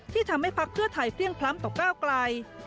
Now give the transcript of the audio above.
ที่ทำให้พักเพื่อไทยเพลี่ยงพล้ำต่อก้าวไกล